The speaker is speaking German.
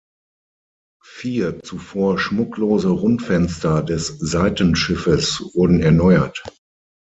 Vier zuvor schmucklose Rundfenster des Seitenschiffes wurden erneuert.